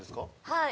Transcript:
はい。